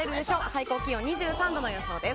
最高気温２１度の予想です。